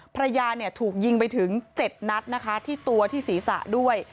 ภรรยาเนี่ยถูกยิงไปถึง๗นัดนะคะที่ตัวที่ศีรษะด้วย